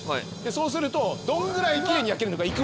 そうするとどんぐらい奇麗に焼けるのか。